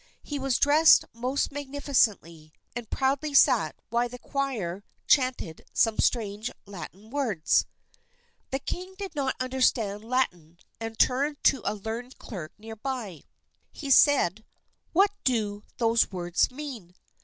He was dressed most magnificently, and proudly sat while the choir chanted some strange Latin words. The king did not understand Latin, and turning to a learned clerk nearby, he said, "What do those words mean?"